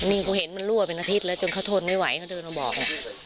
นี่ก็เห็นมันรั่วเป็นอาทิตย์แล้วจนเขาทนไม่ไหวเขาเดินมาบอก